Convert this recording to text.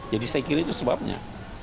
jadi saya kira itu sebabnya